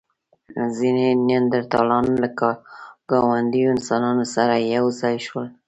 ځینې نیاندرتالان له ګاونډيو انسانانو سره یو ځای شول.